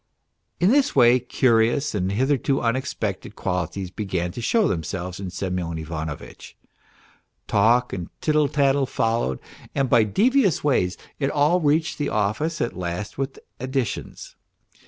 ... In this way curious and hitherto unexpected qualities began to show themselves in Semyon Ivanovitch. ... Talk and tittle tattle followed, and by devious ways it all reached the office at last, with additions.